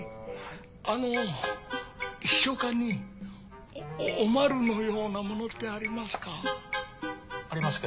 あの秘書課におまるのようなものってありますか？